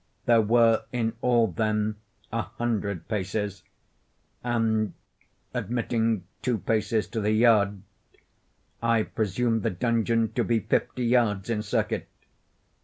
There were in all, then, a hundred paces; and, admitting two paces to the yard, I presumed the dungeon to be fifty yards in circuit.